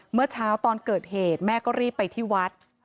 เมื่อเช้าตอนเกิดเหตุแม่ก็รีบไปที่วัด